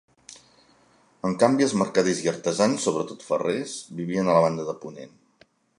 En canvi els mercaders i artesans, sobretot ferrers, vivien a la banda de ponent.